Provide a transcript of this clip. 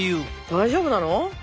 大丈夫なの？